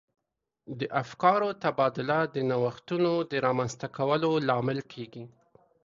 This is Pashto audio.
د افکارو تبادله د نوښتونو د رامنځته کولو لامل کیږي.